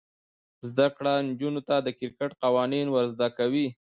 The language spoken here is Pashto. زده کړه نجونو ته د کرکټ قوانین ور زده کوي.